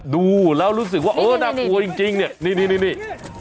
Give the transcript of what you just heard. ดูแล้วรู้สึกว่าเออน่ากลัวจริงจริงเนี้ยนี่นี่นี่นี่